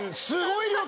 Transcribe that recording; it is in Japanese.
すごい！